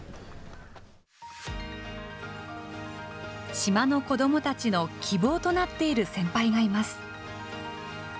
島の子どもたちの希望となっている先輩がいます。